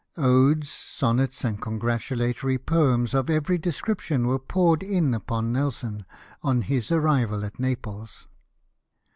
Odes, sonnets, and congratulatory poeins of every description, were poured in upon Nelson on his arrival at Naples.